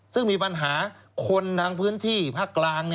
ซึ่งมีปัญหาคนทางพื้นที่ภาคกลาง